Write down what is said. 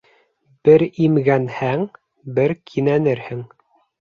Бер имгәнһәң, бер кинәнерһең.